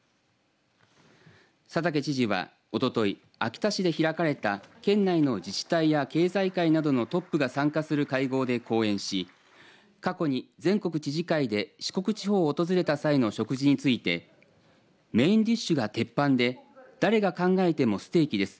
佐竹知事はおととい秋田市で開かれた県内の自治体や経済界などのトップが参加する会合で講演し過去に全国知事会で四国地方を訪れた際の食事にについてメインディッシュが鉄板で誰が考えてもステーキです